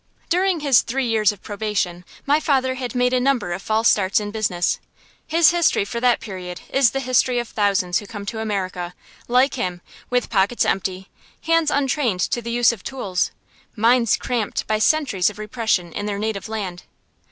During his three years of probation, my father had made a number of false starts in business. His history for that period is the history of thousands who come to America, like him, with pockets empty, hands untrained to the use of tools, minds cramped by centuries of repression in their native land.